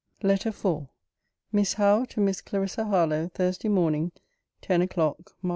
H. LETTER IV MISS HOWE, TO MISS CLARISSA HARLOWE THURSDAY MORN. 10 O'CLOCK (MAR.